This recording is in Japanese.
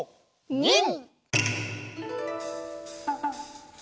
ニン！